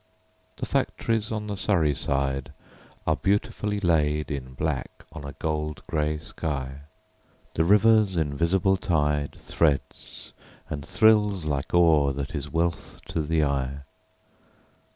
The factories on the Surrey sideAre beautifully laid in black on a gold grey sky. The river's invisible tideThreads and thrills like ore that is wealth to the eye.